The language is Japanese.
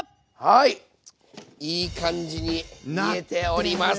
いい感じに煮えております。